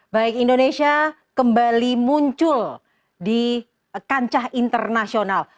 baik indonesia kembali muncul di kancah internasional